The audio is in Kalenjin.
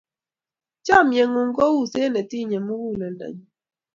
Chomye ng'ung' kou uset ne tinyei muguleldanyu.